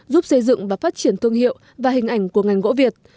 giúp xây dựng và phát triển các nguồn gỗ nguyên liệu